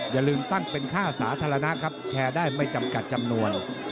อย่าลืมตั้งเป็นค่าสาธารณะครับแชร์ได้ไม่จำกัดจำนวน